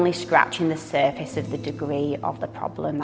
saya merasa seperti kita hanya mencobanya